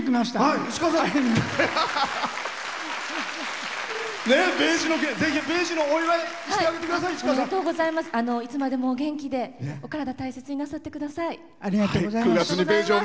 いつまでもお元気でお体大切になさってください。